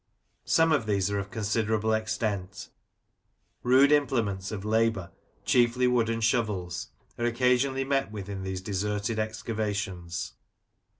Some of these are of considerable extent Rude implements of labour, chiefly wooden shovels, are occasionally met with in these deserted excavations.